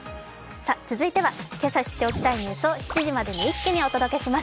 続いてはけさ知っておきたいニュースを７時までに一気にお伝えします。